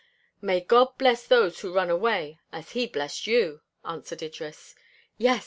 "May God bless those who run away as he blessed you," answered Idris. "Yes!